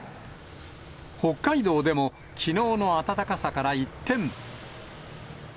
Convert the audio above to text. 北海道でも、きのうの暖かさから一転。